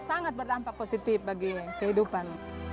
sangat berdampak positif bagi kehidupan